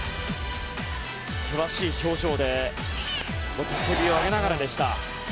険しい表情で雄たけびを上げながらでした。